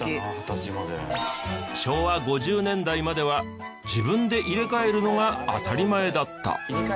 昭和５０年代までは自分で入れ替えるのが当たり前だった。